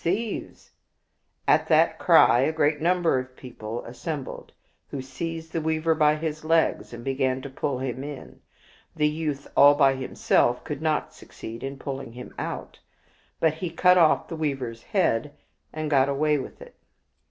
thieves I " At that cry a great number of people assembled, who seized the weaver by his legs and began to pull him in. The youth, all by himself, could not succeed in pulling him out; but he cut off the weaver's head and got away with it.